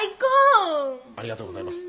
ありがとうございます。